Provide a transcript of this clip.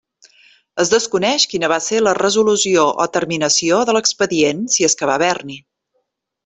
Es desconeix quina va ser la resolució o terminació de l'expedient, si és que va haver-n'hi.